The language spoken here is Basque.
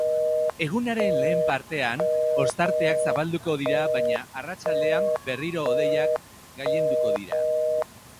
Egunaren lehen partean, ostarteak zabalduko dira baina arratsaldean berriro hodeiak gailenduko dira.